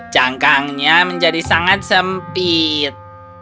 cangkangnya menjadi sangat sempit